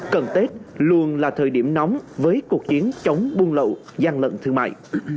cần tết luôn là thời điểm nóng với cuộc chiến chống buôn lậu ra lận thương mại